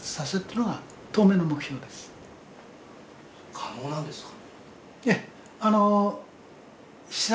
可能なんですか？